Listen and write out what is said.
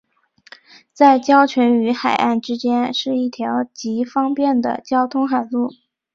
在礁群与海岸之间是一条极方便的交通海路。